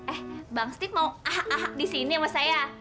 eh bang steve mau ah ah ah di sini sama saya